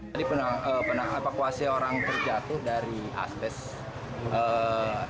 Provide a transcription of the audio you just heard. tadi pernah evakuasi orang terjatuh dari asbest